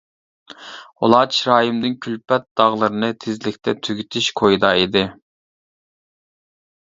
ئۇلار چىرايىمدىن كۈلپەت داغلىرىنى تېزلىكتە تۈگىتىش كويىدا ئىدى.